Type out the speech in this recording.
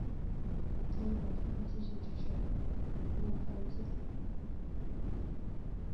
他又表示会继续支持勇武派的路线。